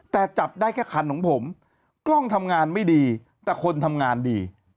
แต่จับได้แค่คันของผมกล้องทำงานไม่ดีแต่คนทำงานดี